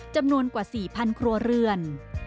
จำนวนกว่า๔๐๐ครัวเรือน